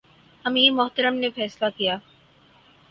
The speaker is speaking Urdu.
امیر محترم نے فیصلہ کیا